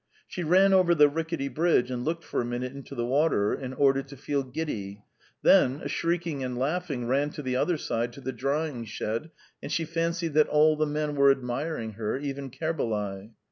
She ran over the rickety bridge and looked for a minute into the water, in order to feel giddy; then, shrieking and laughing, ran to the other side to the drying shed, and she fancied that all the men were admiring her, even Kerbalay.